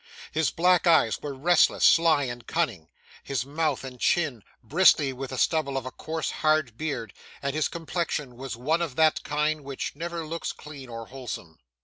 His black eyes were restless, sly, and cunning; his mouth and chin, bristly with the stubble of a coarse hard beard; and his complexion was one of that kind which never looks clean or wholesome.